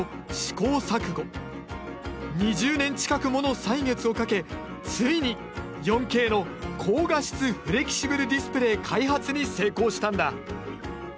２０年近くもの歳月をかけついに４Ｋの高画質フレキシブルディスプレー開発に成功したんだ。